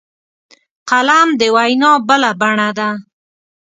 قلم د وینا بله بڼه ده